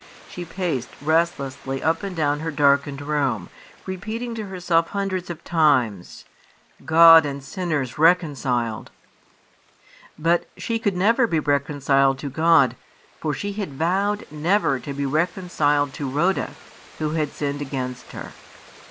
She paced restlessly up and down her darkened room, repeating to herself hundreds of times, "God and sinners reconciled!" But she could never be reconciled to God, for she had vowed never to be reconciled to Rhoda, who had sinned against her.